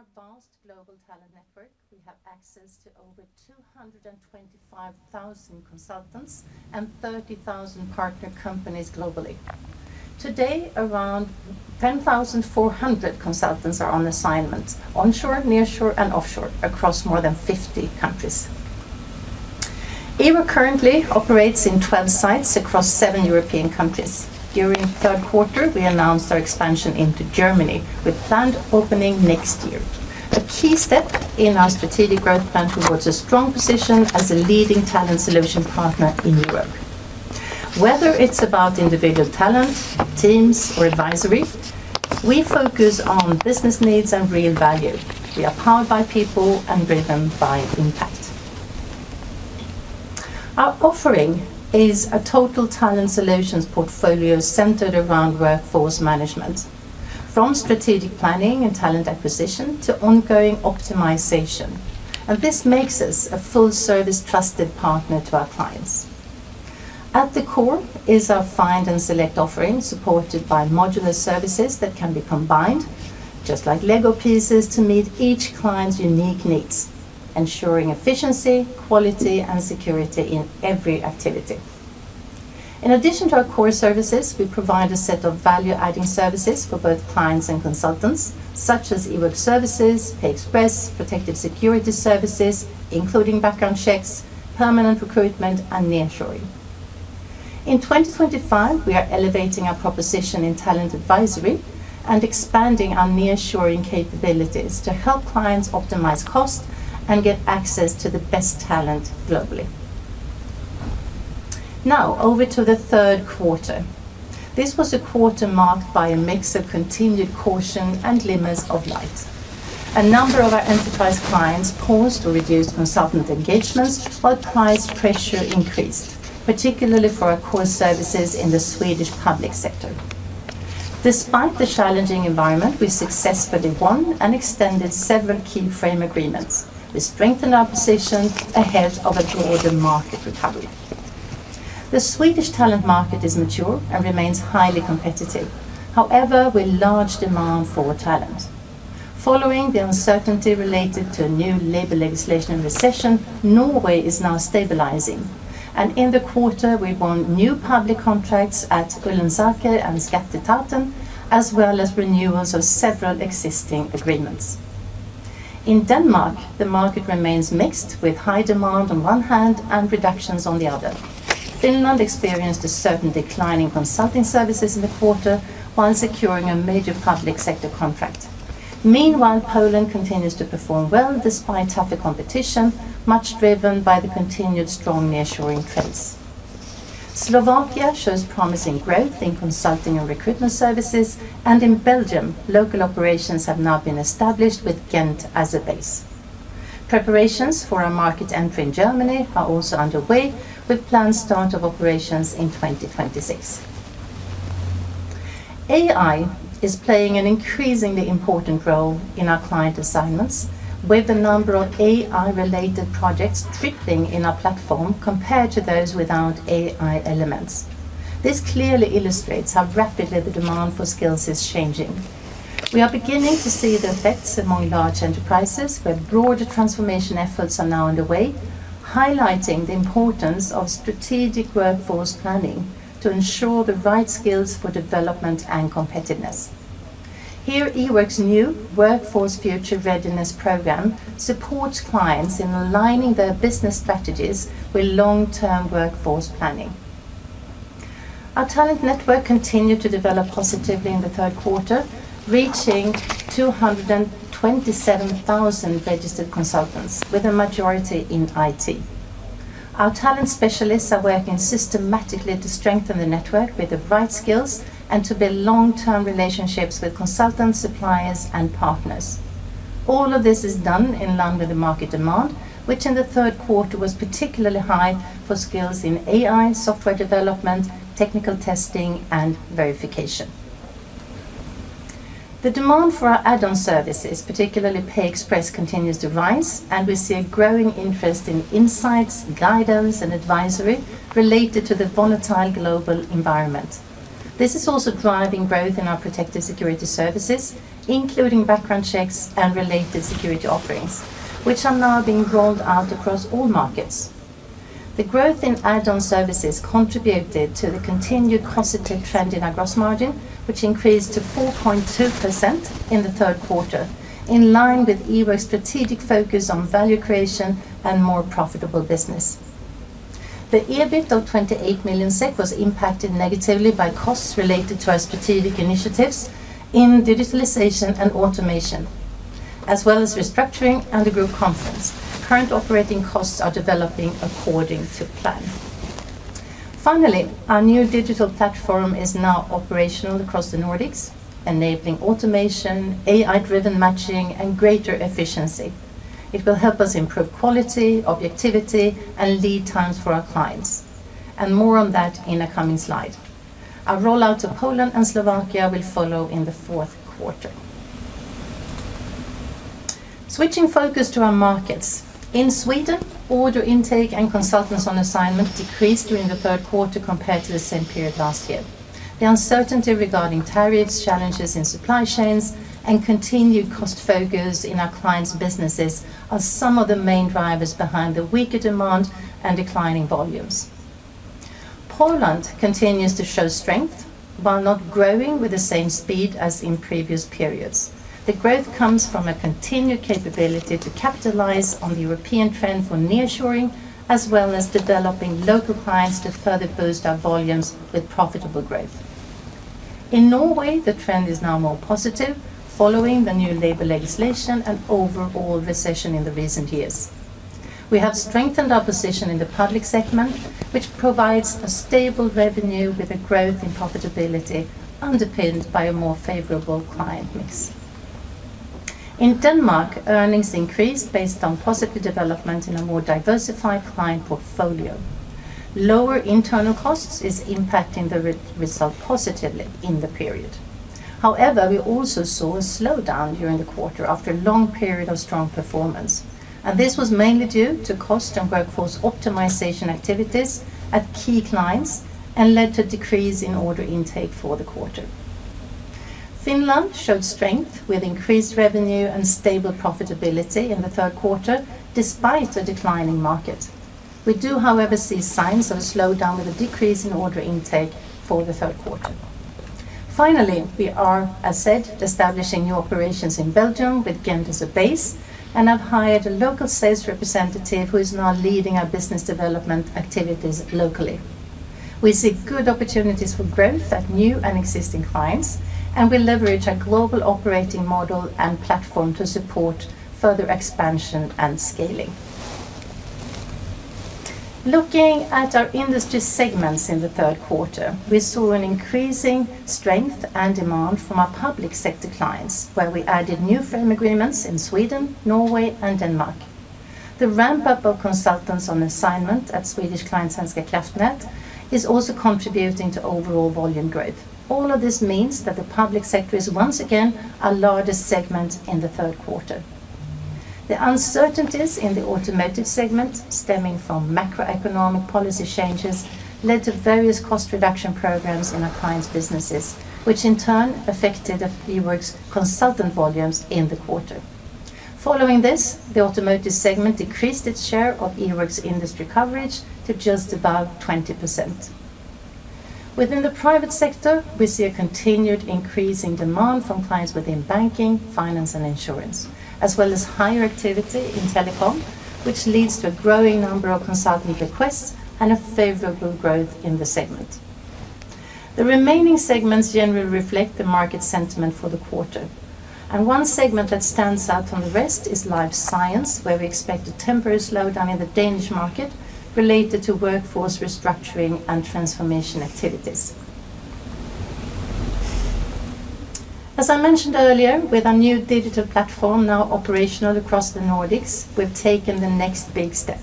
Through our vast global talent network, we have access to over 225,000 consultants and 30,000 partner companies globally. Today, around 10,400 consultants are on assignment onshore, nearshore, and offshore across more than 50 countries. Ework currently operates in 12 sites across seven European countries. During the third quarter, we announced our expansion into Germany, with a planned opening next year. This is a key step in our strategic growth plan towards a strong position as a leading talent solution partner in Europe. Whether it's about individual talent, teams, or advisory, we focus on business needs and real value. We are powered by people and driven by impact. Our offering is a Total Talent Solutions portfolio centered around workforce management, from strategic planning and talent acquisition to ongoing optimization. This makes us a full-service, trusted partner to our clients. At the core is our find-and-select offering, supported by modular services that can be combined, just like LEGO pieces, to meet each client's unique needs, ensuring efficiency, quality, and security in every activity. In addition to our core services, we provide a set of value-adding services for both clients and consultants, such as Ework services, Pay Express, protected security services, including background checks, permanent recruitment, and nearshoring. In 2025, we are elevating our proposition in talent advisory and expanding our nearshoring capabilities to help clients optimize cost and get access to the best talent globally. Now, over to the third quarter. This was a quarter marked by a mix of continued caution and limits of light. A number of our enterprise clients paused or reduced consultant engagements while price pressure increased, particularly for our core services in the Swedish public sector. Despite the challenging environment, we successfully won and extended several key frame agreements, which strengthened our position ahead of a broader market recovery. The Swedish talent market is mature and remains highly competitive, however, with large demand for talent. Following the uncertainty related to a new labor legislation and recession, Norway is now stabilizing. In the quarter, we won new public contracts at Ullensaker and Skatteetaten, as well as renewals of several existing agreements. In Denmark, the market remains mixed, with high demand on one hand and reductions on the other. Finland experienced a certain decline in consulting services in the quarter while securing a major public sector contract. Meanwhile, Poland continues to perform well despite tougher competition, much driven by the continued strong nearshoring trends. Slovakia shows promising growth in consulting and recruitment services. In Belgium, local operations have now been established with Ghent as a base. Preparations for our market entry in Germany are also underway, with plans to start operations in 2026. AI is playing an increasingly important role in our client assignments, with the number of AI-related projects tripling in our platform compared to those without AI elements. This clearly illustrates how rapidly the demand for skills is changing. We are beginning to see the effects among large enterprises, where broader transformation efforts are now underway, highlighting the importance of strategic workforce planning to ensure the right skills for development and Ework's new Workforce Future Readiness program supports clients in aligning their business strategies with long-term workforce planning. Our talent network continued to develop positively in the third quarter, reaching 227,000 registered consultants, with a majority in IT. Our talent specialists are working systematically to strengthen the network with the right skills and to build long-term relationships with consultants, suppliers, and partners. All of this is done in line with the market demand, which in the third quarter was particularly high for skills in AI, software development, technical testing, and verification. The demand for our add-on services, particularly Pay Express, continues to rise, and we see a growing interest in insights, guidance, and advisory related to the volatile global environment. This is also driving growth in our protective security services, including background checks and related security offerings, which are now being rolled out across all markets. The growth in add-on services contributed to the continued positive trend in our gross margin, which increased to 4.2% in the third quarter, in Ework's strategic focus on value creation and more profitable business. The EBITDA of 28 million SEK was impacted negatively by costs related to our strategic initiatives in digitalization and automation, as well as restructuring and the group conference. Current operating costs are developing according to plan. Finally, our new digital platform is now operational across the Nordics, enabling automation, AI-driven matching, and greater efficiency. It will help us improve quality, objectivity, and lead times for our clients. More on that in a coming slide. Our rollout to Poland and Slovakia will follow in the fourth quarter. Switching focus to our markets, in Sweden, order intake and consultants on assignment decreased during the third quarter compared to the same period last year. The uncertainty regarding tariffs, challenges in supply chains, and continued cost focus in our clients' businesses are some of the main drivers behind the weaker demand and declining volumes. Poland continues to show strength while not growing with the same speed as in previous periods. The growth comes from a continued capability to capitalize on the European trend for nearshoring, as well as developing local clients to further boost our volumes with profitable growth. In Norway, the trend is now more positive following the new labor legislation and overall recession in recent years. We have strengthened our position in the public segment, which provides a stable revenue with a growth in profitability underpinned by a more favorable client mix. In Denmark, earnings increased based on positive development in a more diversified client portfolio. Lower internal costs are impacting the result positively in the period. However, we also saw a slowdown during the quarter after a long period of strong performance. This was mainly due to cost and workforce optimization activities at key clients and led to a decrease in order intake for the quarter. Finland showed strength with increased revenue and stable profitability in the third quarter, despite a declining market. We do, however, see signs of a slowdown with a decrease in order intake for the third quarter. Finally, we are, as said, establishing new operations in Belgium with Ghent as a base and have hired a local sales representative who is now leading our business development activities locally. We see good opportunities for growth at new and existing clients, and we leverage our global operating model and platform to support further expansion and scaling. Looking at our industry segments in the third quarter, we saw an increasing strength and demand from our public sector clients, where we added new frame agreements in Sweden, Norway, and Denmark. The ramp-up of consultants on assignment at Swedish client Svenska Kraftnät is also contributing to overall volume growth. All of this means that the public sector is once again our largest segment in the third quarter. The uncertainties in the automotive segment, stemming from macroeconomic policy changes, led to various cost reduction programs in our clients' businesses, which in turn affected a few Ework's consultant volumes in the quarter. Following this, the automotive segment decreased its share of Ework's industry coverage to just about 20%. Within the private sector, we see a continued increase in demand from clients within banking, finance, and insurance, as well as higher activity in telecom, which leads to a growing number of consultant requests and a favorable growth in the segment. The remaining segments generally reflect the market sentiment for the quarter. One segment that stands out from the rest is life science, where we expect a temporary slowdown in the Danish market related to workforce restructuring and transformation activities. As I mentioned earlier, with our new digital platform now operational across the Nordics, we've taken the next big step,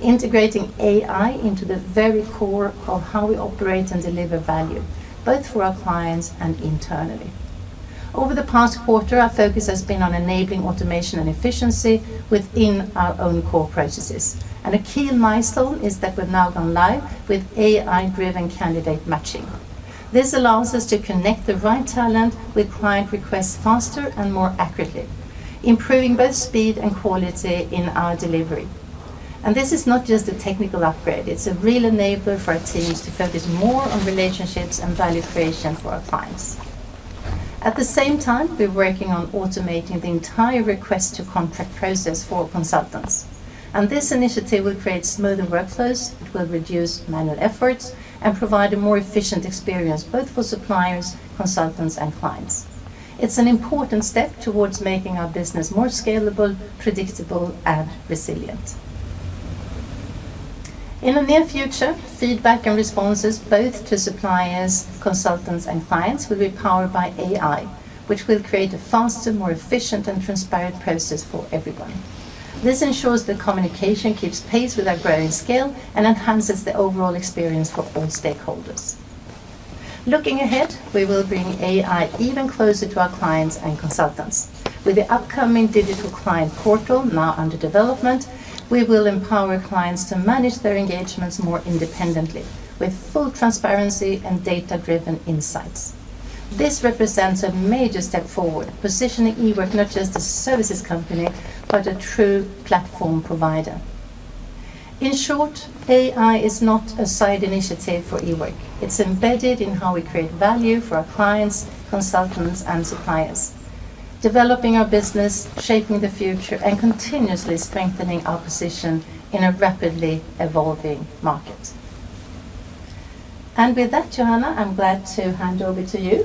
integrating AI into the very core of how we operate and deliver value, both for our clients and internally. Over the past quarter, our focus has been on enabling automation and efficiency within our own core processes. A key milestone is that we've now gone live with AI-driven candidate matching. This allows us to connect the right talent with client requests faster and more accurately, improving both speed and quality in our delivery. This is not just a technical upgrade. It's a real enabler for our teams to focus more on relationships and value creation for our clients. At the same time, we're working on automating the entire request-to-contract process for consultants. This initiative will create smoother workflows. It will reduce manual efforts and provide a more efficient experience both for suppliers, consultants, and clients. It's an important step towards making our business more scalable, predictable, and resilient. In the near future, feedback and responses both to suppliers, consultants, and clients will be powered by AI, which will create a faster, more efficient, and transparent process for everyone. This ensures that communication keeps pace with our growing scale and enhances the overall experience for all stakeholders. Looking ahead, we will bring AI even closer to our clients and consultants. With the upcoming digital client portal now under development, we will empower clients to manage their engagements more independently with full transparency and data-driven insights. This represents a major step positioning Ework not just as a services company, but a true platform provider. In short, AI is not a side initiative for Ework. It's embedded in how we create value for our clients, consultants, and suppliers, developing our business, shaping the future, and continuously strengthening our position in a rapidly evolving market. Johanna, I'm glad to hand over to you.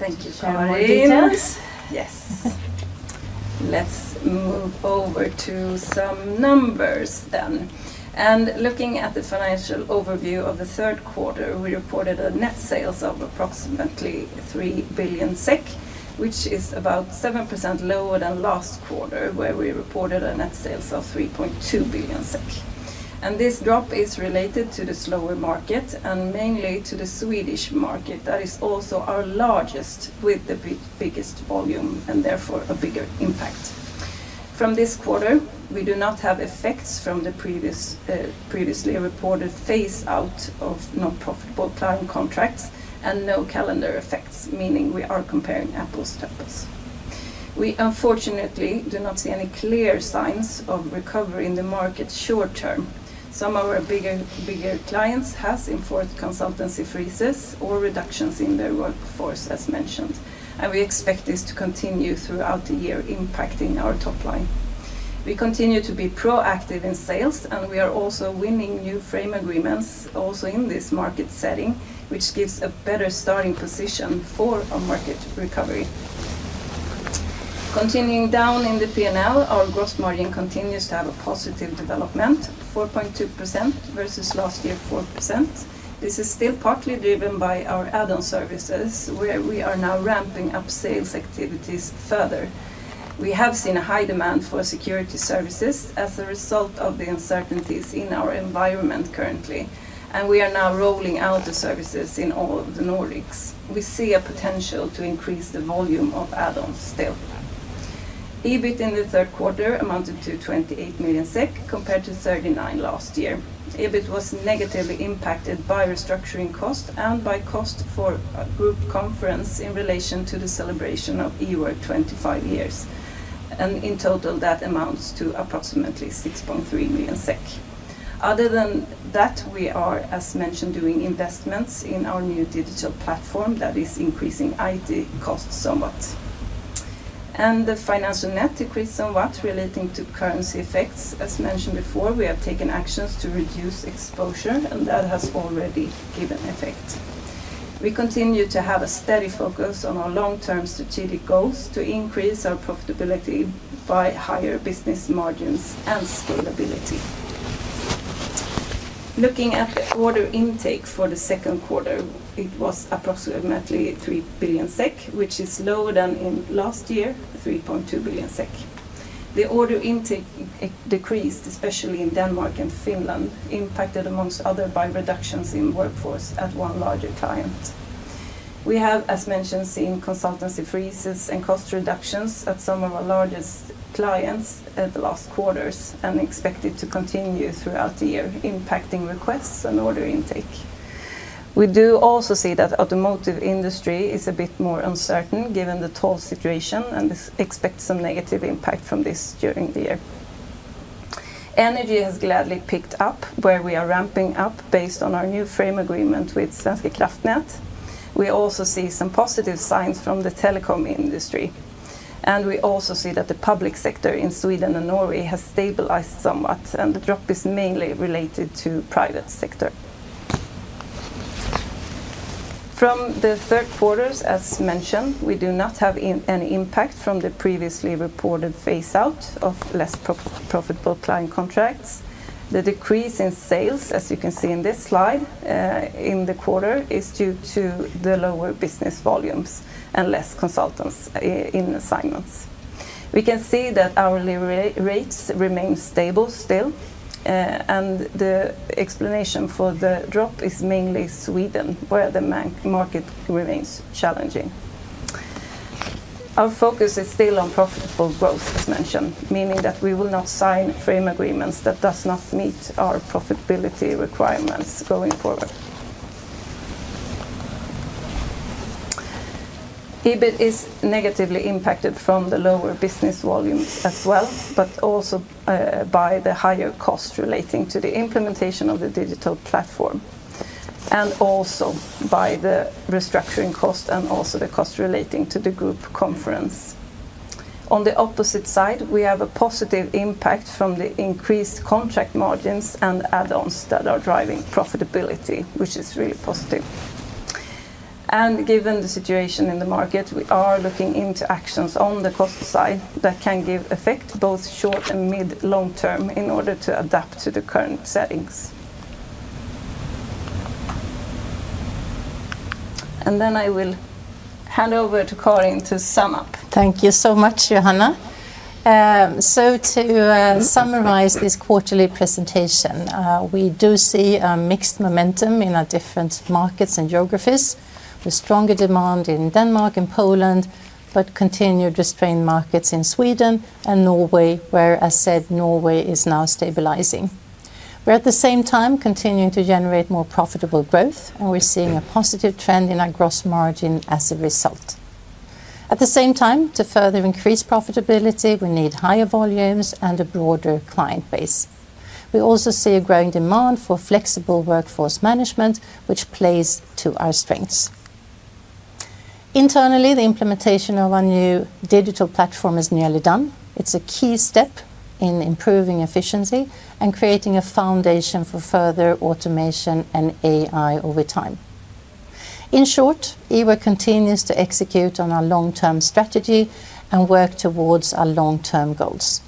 Thank you, [Karin] For more details. Yes. Let's move over to some numbers then. Looking at the financial overview of the third quarter, we reported net sales of approximately 3 billion SEK, which is about 7% lower than last quarter, where we reported net sales of 3.2 billion SEK. This drop is related to the slower market and mainly to the Swedish market that is also our largest with the biggest volume and therefore a bigger impact. From this quarter, we do not have effects from the previously reported phase-out of non-profitable client contracts and no calendar effects, meaning we are comparing apples to apples. We unfortunately do not see any clear signs of recovery in the market short term. Some of our bigger clients have enforced consultancy freezes or reductions in their workforce, as mentioned. We expect this to continue throughout the year, impacting our top line. We continue to be proactive in sales, and we are also winning new frame agreements also in this market setting, which gives a better starting position for a market recovery. Continuing down in the P&L, our gross margin continues to have a positive development, 4.2% versus last year 4%. This is still partly driven by our add-on services, where we are now ramping up sales activities further. We have seen a high demand for security services as a result of the uncertainties in our environment currently. We are now rolling out the services in all of the Nordics. We see a potential to increase the volume of add-ons still. EBIT in the third quarter amounted to 28 million SEK compared to 39 million last year. EBIT was negatively impacted by restructuring costs and by costs for a group conference in relation to the celebration of Ework 25 years. In total, that amounts to approximately 6.3 million SEK. Other than that, we are, as mentioned, doing investments in our new digital platform that is increasing IT costs somewhat. The financial net decreased somewhat relating to currency effects. As mentioned before, we have taken actions to reduce exposure, and that has already given effect. We continue to have a steady focus on our long-term strategic goals to increase our profitability by higher business margins and scalability. Looking at the order intake for the second quarter, it was approximately 3 billion SEK, which is lower than in last year, 3.2 billion SEK. The order intake decreased, especially in Denmark and Finland, impacted amongst other by reductions in workforce at one larger client. We have, as mentioned, seen consultancy freezes and cost reductions at some of our largest clients in the last quarters and expect it to continue throughout the year, impacting requests and order intake. We do also see that the automotive industry is a bit more uncertain given the toll situation and expect some negative impact from this during the year. Energy has gladly picked up, where we are ramping up based on our new frame agreement with [Svenska Kraftnät. We also see some positive signs from the telecom industry. We also see that the public sector in Sweden and Norway has stabilized somewhat, and the drop is mainly related to the private sector. From the third quarter, as mentioned, we do not have any impact from the previously reported phase-out of less profitable client contracts. The decrease in sales, as you can see in this slide, in the quarter is due to the lower business volumes and less consultants in assignments. We can see that hourly rates remain stable still. The explanation for the drop is mainly Sweden, where the market remains challenging. Our focus is still on profitable growth, as mentioned, meaning that we will not sign frame agreements that do not meet our profitability requirements going forward. EBIT is negatively impacted from the lower business volumes as well, but also by the higher costs relating to the implementation of the digital platform and also by the restructuring costs and also the costs relating to the group conference. On the opposite side, we have a positive impact from the increased contract margins and add-ons that are driving profitability, which is really positive. Given the situation in the market, we are looking into actions on the cost side that can give effect both short and mid-long term in order to adapt to the current settings. I will hand over to Karin to sum up. Thank you so much, Johanna. To summarize this quarterly presentation, we do see a mixed momentum in our different markets and geographies, with stronger demand in Denmark and Poland, but continued restrained markets in Sweden and Norway, where, as said, Norway is now stabilizing. We're, at the same time, continuing to generate more profitable growth, and we're seeing a positive trend in our gross margin as a result. At the same time, to further increase profitability, we need higher volumes and a broader client base. We also see a growing demand for flexible workforce management, which plays to our strengths. Internally, the implementation of our new digital platform is nearly done. It's a key step in improving efficiency and creating a foundation for further automation and AI over time. In short, Ework continues to execute on our long-term strategy and work towards our long-term goals.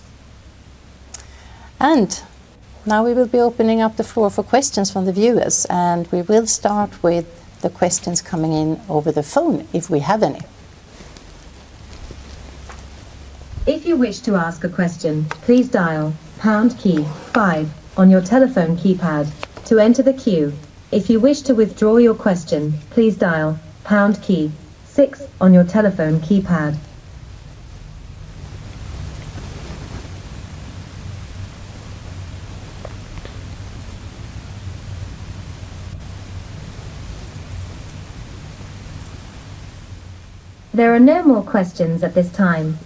Now we will be opening up the floor for questions from the viewers. We will start with the questions coming in over the phone if we have any. If you wish to ask a question, please dial pound key five on your telephone keypad to enter the queue. If you wish to withdraw your question, please dial pound key six on your telephone keypad. There are no more questions at this time.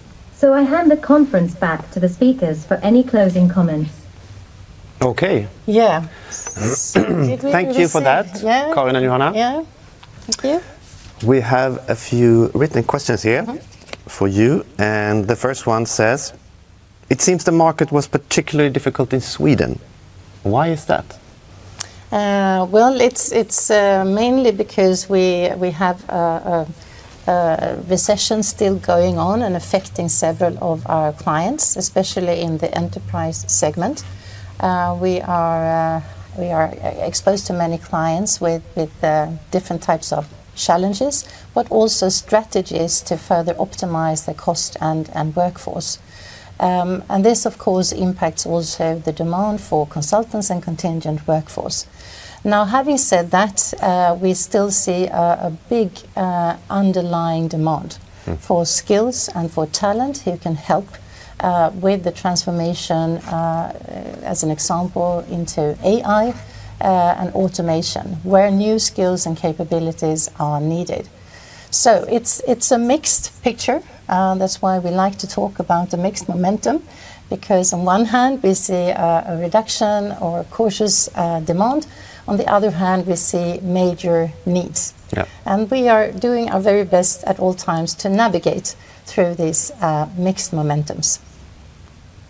I hand the conference back to the speakers for any closing comments. OK. Yeah. Thank you for that, Karin and Johanna. Thank you. We have a few written questions here for you. The first one says, it seems the market was particularly difficult in Sweden. Why is that? It's mainly because we have a recession still going on and affecting several of our clients, especially in the enterprise segment. We are exposed to many clients with different types of challenges, but also strategies to further optimize the cost and workforce. This, of course, impacts also the demand for consultants and contingent workforce. Now, having said that, we still see a big underlying demand for skills and for talent who can help with the transformation, as an example, into AI and automation, where new skills and capabilities are needed. It's a mixed picture. That's why we like to talk about the mixed momentum, because on one hand, we see a reduction or a cautious demand. On the other hand, we see major needs. Yeah. We are doing our very best at all times to navigate through these mixed momentums.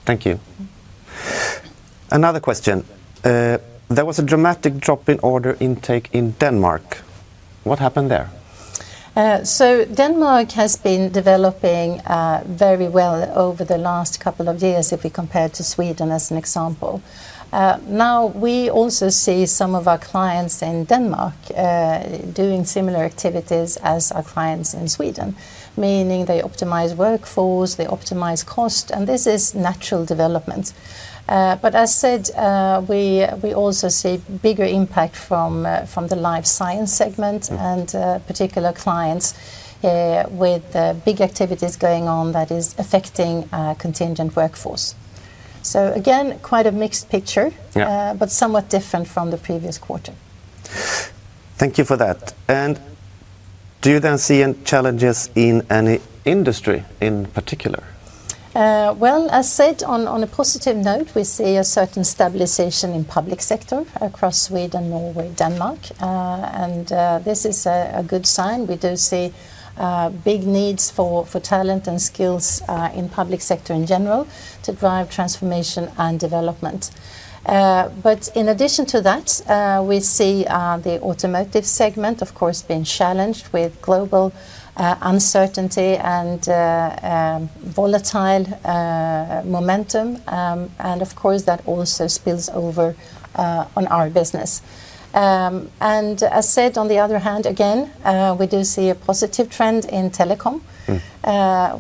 Thank you. Another question. There was a dramatic drop in order intake in Denmark. What happened there? Denmark has been developing very well over the last couple of years if we compare it to Sweden, as an example. Now, we also see some of our clients in Denmark doing similar activities as our clients in Sweden, meaning they optimize workforce, they optimize cost. This is natural development. As said, we also see bigger impact from the life science segment and particular clients with big activities going on that are affecting contingent workforce. Again, quite a mixed picture, but somewhat different from the previous quarter. Thank you for that. Do you then see challenges in any industry in particular? As said, on a positive note, we see a certain stabilization in the public sector across Sweden, Norway, and Denmark. This is a good sign. We do see big needs for talent and skills in the public sector in general to drive transformation and development. In addition to that, we see the automotive segment, of course, being challenged with global uncertainty and volatile momentum. Of course, that also spills over on our business. As said, on the other hand, again, we do see a positive trend in telecom,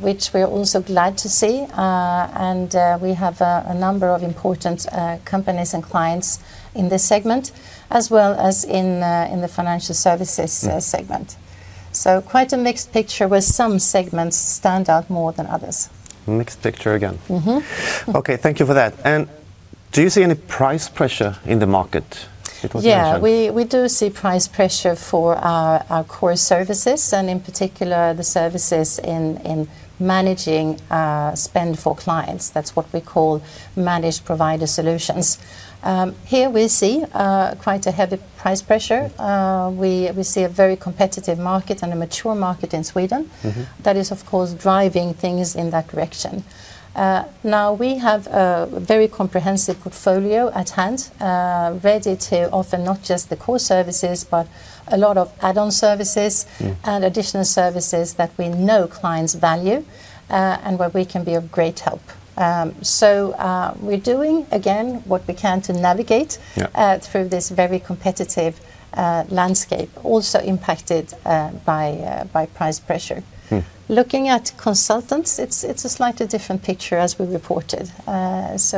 which we are also glad to see. We have a number of important companies and clients in this segment, as well as in the financial services segment. Quite a mixed picture where some segments stand out more than others. Mixed picture again. Mm-hmm. OK. Thank you for that. Do you see any price pressure in the market? Yeah. It was mentioned? Yeah. We do see price pressure for our core services, and in particular, the services in managing spend for clients. That's what we call managed provider solutions. Here, we see quite a heavy price pressure. We see a very competitive market and a mature market in Sweden that is, of course, driving things in that direction. We have a very comprehensive portfolio at hand, ready to offer not just the core services, but a lot of add-on services and additional services that we know clients value and where we can be of great help. We're doing what we can to navigate through this very competitive landscape, also impacted by price pressure. Looking at consultants, it's a slightly different picture, as we reported.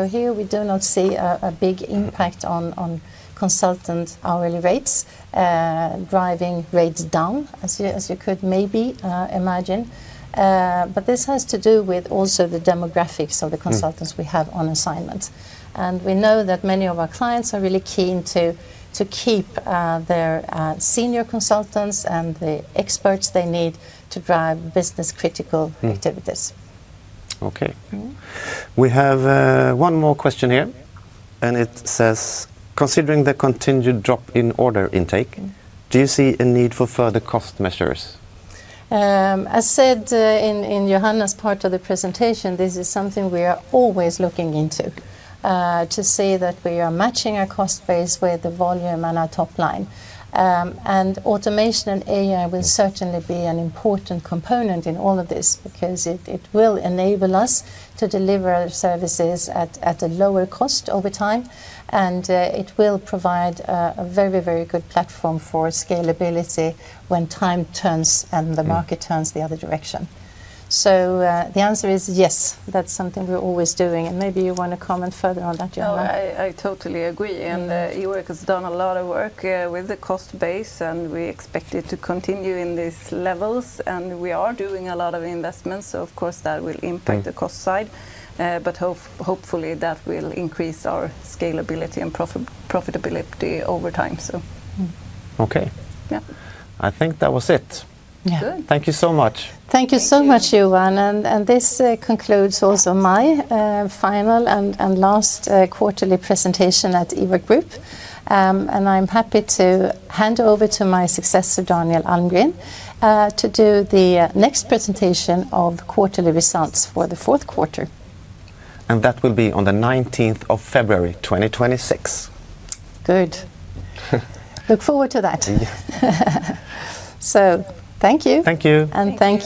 Here, we do not see a big impact on consultant hourly rates driving rates down, as you could maybe imagine. This has to do with also the demographics of the consultants we have on assignment. We know that many of our clients are really keen to keep their senior consultants and the experts they need to drive business-critical activities. OK. We have one more question here. It says, considering the continued drop in order intake, do you see a need for further cost measures? As said in Johanna's part of the presentation, this is something we are always looking into to see that we are matching our cost base with the volume and our top line. Automation and AI will certainly be an important component in all of this, because it will enable us to deliver services at a lower cost over time. It will provide a very, very good platform for scalability when time turns and the market turns the other direction. The answer is yes. That's something we're always doing. Maybe you want to comment further on that, Johanna? I totally agree. Ework has done a lot of work with the cost base, and we expect it to continue in these levels. We are doing a lot of investments, which will impact the cost side. Hopefully, that will increase our scalability and profitability over time. OK. Yeah. I think that was it. Yeah. Good. Thank you so much. Thank you so much, Johanna. This concludes also my final and last quarterly presentation at Ework. I'm happy to hand over to my successor, Daniel Almgren, to do the next presentation of the quarterly results for the fourth quarter. That will be on the 19th of February 2026. Good. Look forward to that. Yeah. Thank you. Thank you. Thank you.